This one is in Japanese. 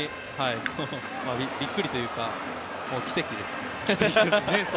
びっくりというか奇跡です。